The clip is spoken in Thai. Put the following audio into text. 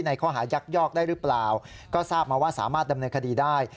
ข้อหายักยอกได้หรือเปล่าก็ทราบมาว่าสามารถดำเนินคดีได้